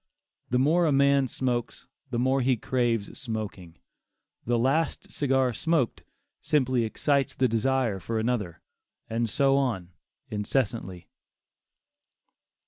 The more a man smokes, the more he craves smoking; the last cigar smoked, simply excites the desire for another, and so on incessantly.